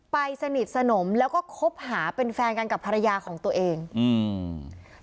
สนิทสนมแล้วก็คบหาเป็นแฟนกันกับภรรยาของตัวเองอืม